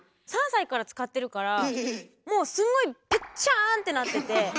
３歳から使ってるからもうすんごいペッチャーンってなってて。